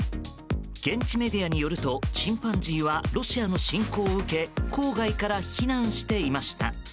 現地メディアによるとチンパンジーはロシアの侵攻を受け郊外から避難していました。